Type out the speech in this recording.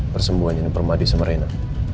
persembuhan yang permadi sama rina